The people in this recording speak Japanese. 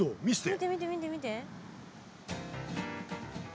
見て見て見て見て。